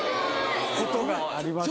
ことがありまして。